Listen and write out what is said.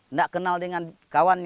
enggak kenal dengan kawanan